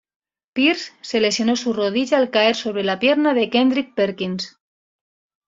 Pierce se lesionó su rodilla al caer sobre la pierna de Kendrick Perkins.